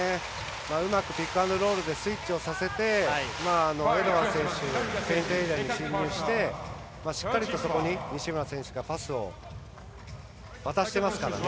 うまくピックアンドロールでスイッチをさせてエドワーズ選手ペイントエリアに侵入してしっかりと、そこに西村選手がパスを渡していますからね。